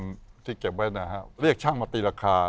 จำลองที่เราปั้นที่เก็บไว้นะฮะเรียกช่างมาตีราคา